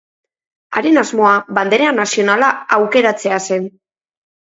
Haren asmoa bandera nazionala aukeratzea zen.